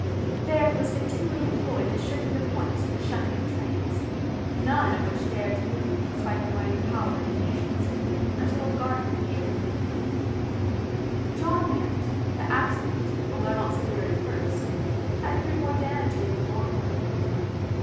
There he was continually employed in shifting the points for the shunting of trains, none of which dared to move, despite their mighty power and impatience, until Will Garvie gave them leave. To John Marrot, the accident although not severe at first, had proved more damaging in the long run.